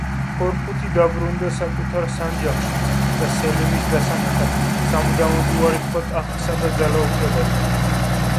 ქორქუთი დაბრუნდა საკუთარ სანჯაყში და სელიმის დასანახად, სამუდამოდ უარი თქვა ტახტსა და ძალაუფლებაზე.